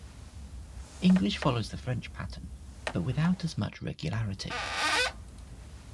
English follows the French pattern, but without as much regularity.